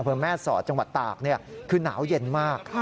อฮิวแม่ศรอบจังหวัดตากคือหนาวเย็นมาก